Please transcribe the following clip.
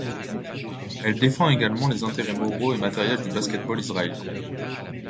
Elle défend également les intérêts moraux et matériels du basket-ball israélien.